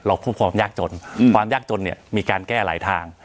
พูดความยากจนความยากจนเนี่ยมีการแก้หลายทาง